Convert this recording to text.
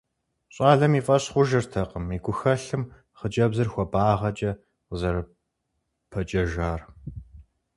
Щӏалэм и фӀэщ хъужыртэкъым и гухэлъым хъыджэбзыр хуабагъэкӀэ къызэрыпэджэжар.